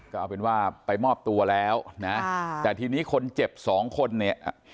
ก็ไปมอบตัวแล้วแต่ทีนี้คนเจ็บสองคนเนี่ย